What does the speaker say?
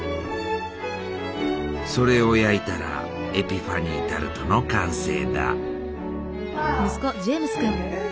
それを焼いたらエピファニータルトの完成だ！